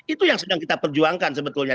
itu yang sedang kita perjuangkan sebetulnya